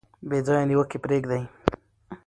بې ځایه نیوکې پریږدئ.